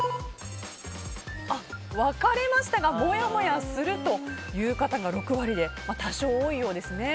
分かれましたがもやもやするという方が６割で多少、多いようですね。